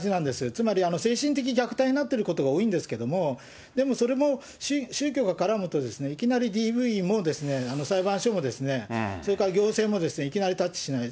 つまり、精神的虐待になっていることが多いんですけども、でもそれも、宗教が絡むと、いきなりＤＶも、裁判所もそれから行政もいきなりタッチしない。